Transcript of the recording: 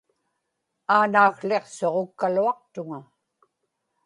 aanaakłiqsuġukkaluaqtuŋa